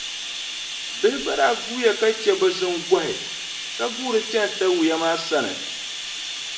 Bihi gba daa guuya ka che bɛ ziŋgɔhi ka guuri chani Tawia maa sani.